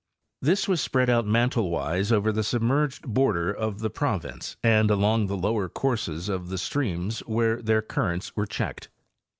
This was spread out mantle wise over the submerged border of the province and along the lower courses of the streams where their currents were checked.